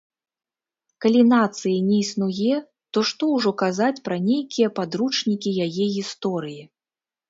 Калі нацыі не існуе, то што ўжо казаць пра нейкія падручнікі яе гісторыі?